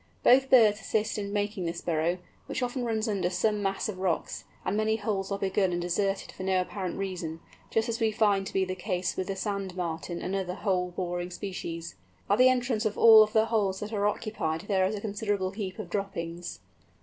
Both birds assist in making this burrow, which often runs under some mass of rocks, and many holes are begun and deserted for no apparent reason, just as we find to be the case with the Sand Martin and other hole boring species. At the entrance of all of the holes that are occupied there is a considerable heap of droppings.